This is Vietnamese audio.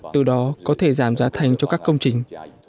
từ đó có thể giảm giá thành cho các công trình